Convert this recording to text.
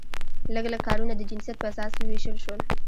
لږ لږ کارونه د جنسیت په اساس وویشل شول.